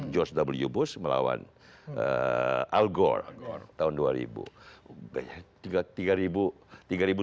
george w bush melawan al gore tahun dua ribu